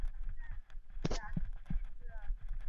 সেদিন সরকারি ছুটি ছিল বলে পথে যানবাহন এবং যাত্রীসংখ্যা বেশ স্বল্পই।